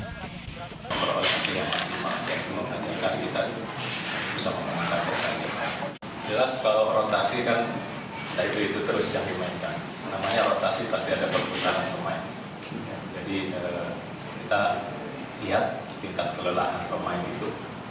jadi kita lihat tingkat kelelahan pemain itu